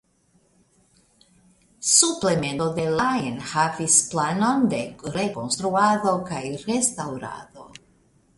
Suplemento de la enhavis planon de rekonstruado kaj restaŭrado.